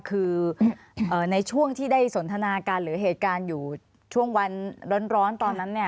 คือในช่วงที่ได้สนทนาการหรือเหตุการณ์อยู่ช่วงวันร้อนตอนนั้นเนี่ย